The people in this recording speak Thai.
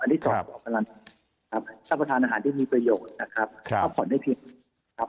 อันที่สองประทานอาหารที่มีประโยชน์นะครับ